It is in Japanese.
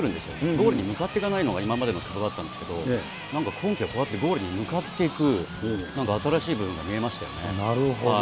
ゴールに向かっていかないのが今までの久保だったんですけど、なんか今季はこうやってゴールに向かっていく、なんか新しい部分なるほど。